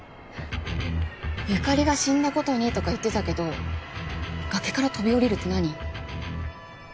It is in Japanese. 由香里が死んだことにとか言ってたけど崖から飛び降りるって何？